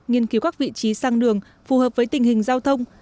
nghiên cứu các vị trí sang đường phù hợp với tình hình giao thông